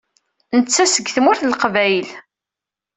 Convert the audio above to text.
Netta seg Tmurt n Leqbayel.